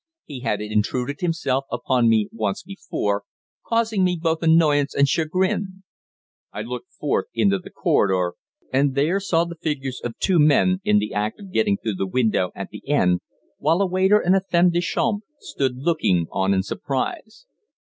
He had intruded himself upon me once before, causing me both annoyance and chagrin. I looked forth into the corridor, and there saw the figures of two men in the act of getting through the window at the end, while a waiter and a femme de chambre stood looking on in surprise.